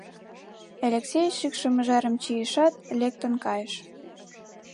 Элексей шӱкшӧ мыжерым чийышат, лектын кайыш.